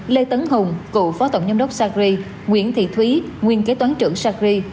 lê tấn hùng cựu phó tổng giám đốc sacri nguyễn thị thúy nguyên kế toán trưởng sacri